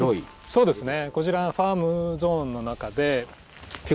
そうですね。